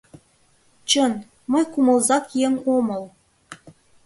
Чын, мый кумылзак еҥ омыл...